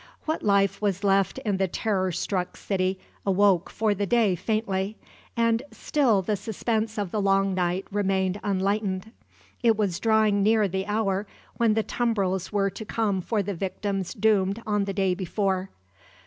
What life was left in the terror struck city awoke for the day faintly; and still the suspense of the long night remained unlightened. It was drawing near the hour when the tumbrils were to come for the victims doomed on the day before.